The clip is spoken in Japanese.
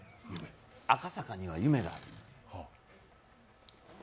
赤坂には夢がある。